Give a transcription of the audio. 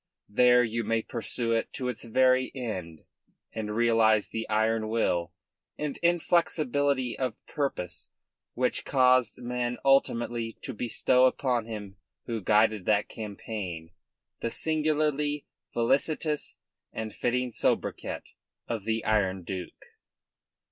There you may pursue it to its very end and realise the iron will and inflexibility of purpose which caused men ultimately to bestow upon him who guided that campaign the singularly felicitous and fitting sobriquet of the Iron Duke.